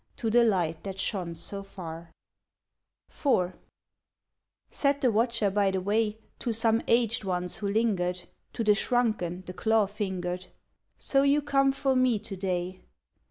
To the light that shone so far." |19| IV Said the Watcher by the Way To some aged ones who Imgered, To the shrunken, the claw fingered. So you come for me to day."